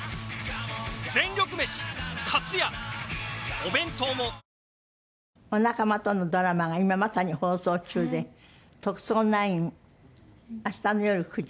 お仲間とのドラマが今まさに放送中で『特捜９』あしたの夜９時？